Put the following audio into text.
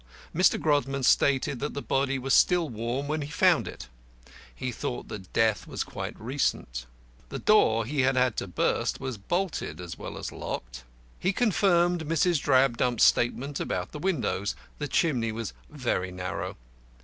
Mr. Grodman stated that the body was still warm when he found it. He thought that death was quite recent. The door he had had to burst was bolted as well as locked. He confirmed Mrs. Drabdump's statement about the windows; the chimney was very narrow.